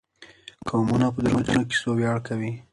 قومونه په دروغجنو کيسو وياړ کوي.